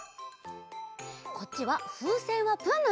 こっちは「ふうせんはプン」のえ。